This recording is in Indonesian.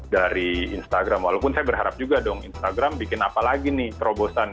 dari instagram walaupun saya berharap juga dong instagram bikin apa lagi nih terobosan